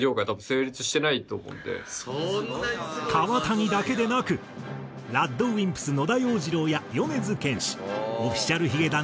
川谷だけでなくＲＡＤＷＩＭＰＳ野田洋次郎や米津玄師Ｏｆｆｉｃｉａｌ髭男